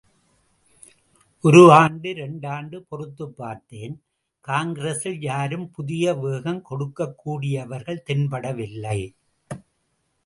ஒரு ஆண்டு, இரண்டாண்டு பொறுத்துப் பார்த்தேன், காங்கிரசில் யாரும் புதிய வேகம் கொடுக்கக் கூடியவர்கள் தென்படவில்லை.